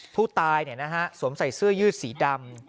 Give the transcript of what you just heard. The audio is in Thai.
ผู้ตายเนี่ยนะฮะสวมใส่เสื้อยืดสีดำ